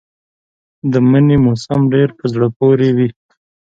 د مني موسم ډېر په زړه پورې دی.